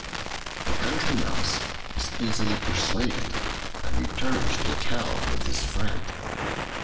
The Country Mouse was easily persuaded, and returned to town with his friend.